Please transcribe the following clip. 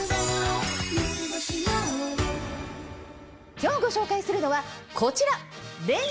今日ご紹介するのはこちら！